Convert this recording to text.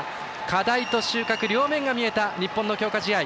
課題と収穫両面が見えた日本の強化試合。